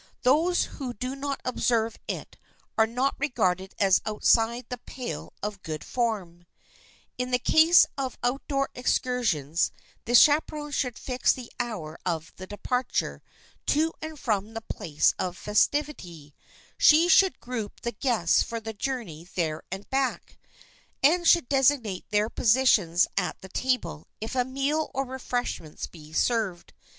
Those who do not observe it are not regarded as outside the pale of good form. [Sidenote: ON OUTDOOR EXCURSIONS] [Sidenote: A DUTCH TREAT] In the case of outdoor excursions the chaperon should fix the hour of departure to and from the place of festivity; she should group the guests for the journey there and back, and should designate their positions at the table if a meal or refreshments be served.